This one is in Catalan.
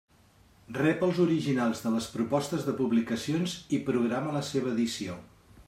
Rep els originals de les propostes de publicacions i programa la seva edició.